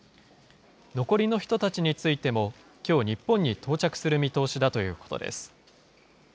残りの人たちについてもきょう、日本に到着する見通しだということです。